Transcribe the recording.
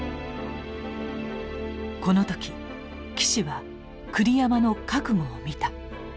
この時岸は栗山の覚悟を見た。